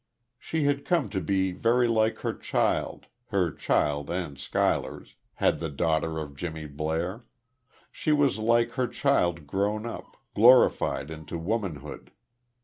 She had come to be very like her child her child and Schuyler's had the daughter of Jimmy Blair she was like her child grown up, glorified into womanhood.